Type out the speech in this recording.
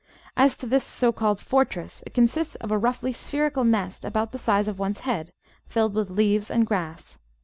As to this so called "fortress," it consists of a roughly spherical nest about the size of one's head, filled with leaves and grass.